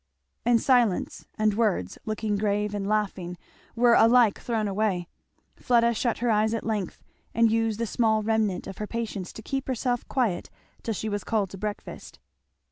And silence and words, looking grave and laughing, were alike thrown away. Fleda shut her eyes at length and used the small remnant of her patience to keep herself quiet till she was called to breakfast.